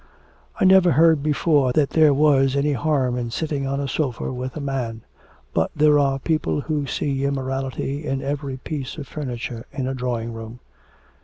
'I never heard before that there was any harm in sitting on a sofa with a man. But there are people who see immorality in every piece of furniture in a drawing room.'